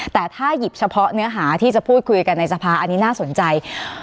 แต่ถ้าหยิบเฉพาะเนื้อหาที่จะพูดคุยกันในสภาอันนี้น่าสนใจ